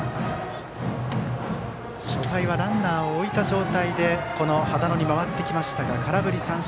初回はランナーを置いた状態で羽田野に回ってきましたが空振り三振。